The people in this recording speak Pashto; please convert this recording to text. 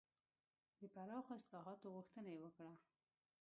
د پراخو اصلاحاتو غوښتنه یې وکړه.